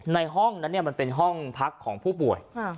ในห้องนั้นมันเป็นห้องพักของผู้ป่วย